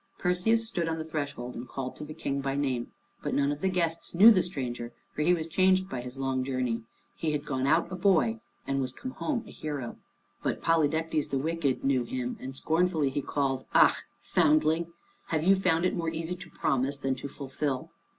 Perseus stood upon the threshold and called to the King by name. But none of the guests knew the stranger, for he was changed by his long journey. He had gone out a boy, and he was come home a hero. But Polydectes the Wicked, knew him, and scornfully he called, "Ah, foundling! have you found it more easy to promise than to fulfil?"